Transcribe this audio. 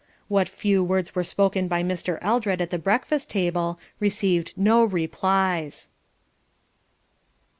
What few words were spoken by Mr. Eldred at the breakfast table received no replies.